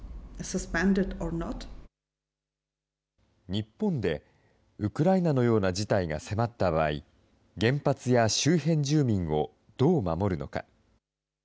日本でウクライナのような事態が迫った場合、原発や周辺住民をどう守るのか。